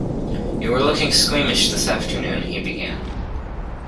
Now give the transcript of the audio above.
You were looking squeamish this afternoon, he began.